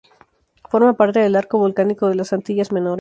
Forma parte del Arco volcánico de las Antillas Menores.